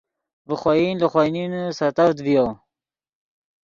ڤے خوئن لے خوئے نینے سیتڤد ڤیو